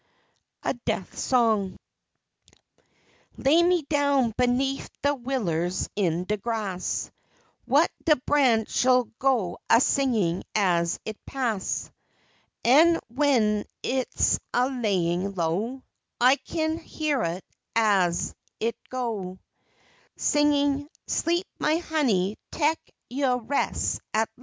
A DEATH SONG Lay me down beneaf de willers in de grass, Whah de branch'll go a singin' as it pass An' w'en I's a layin' low, I kin hyeah it as it go Singin', "Sleep, my honey, tek yo' res' at las'."